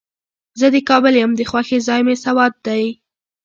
زه د کابل یم، د خوښې ځای مې سوات دی.